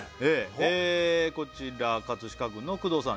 こちら葛飾区の工藤さん